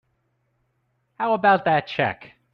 How about that check?